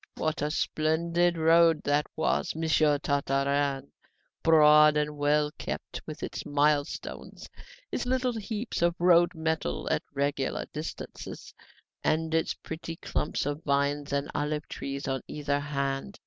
"What a splendid road that was, Monsieur Tartarin, broad and well kept, with its mile stones, its little heaps of road metal at regular distances, and its pretty clumps of vines and olive trees on either hand!